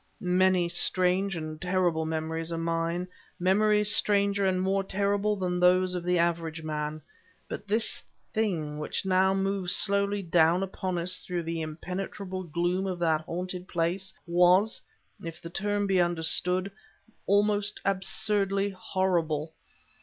Many strange and terrible memories are mine, memories stranger and more terrible than those of the average man; but this thing which now moved slowly down upon us through the impenetrable gloom of that haunted place, was (if the term be understood) almost absurdly horrible.